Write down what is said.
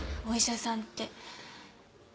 お医者さんって。